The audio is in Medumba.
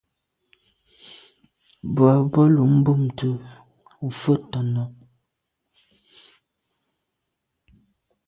Boa bo lo bumte mfe ntàne.